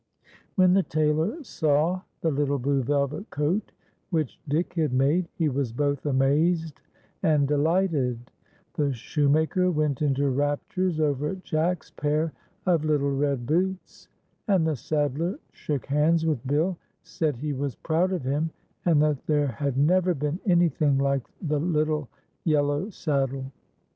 When the tailor saw the little blue velvet coat which Dick had made, he was both amazed and de lighted : the shoemaker went into raptures over Jack's pair of little red boots, and the saddler shook hands with Bill, said he was proud of him, and that there had never been anything like the little yellow saddle.